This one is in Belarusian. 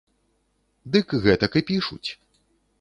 Дык гэтак і пішуць.